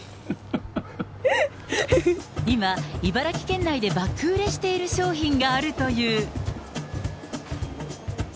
今、茨城県内で爆売れしている商品があるという。